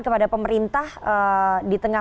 kepada pemerintah di tengah